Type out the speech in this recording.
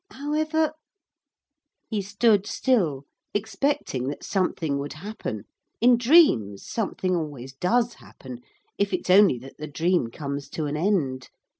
However ' He stood still expecting that something would happen. In dreams something always does happen, if it's only that the dream comes to an end.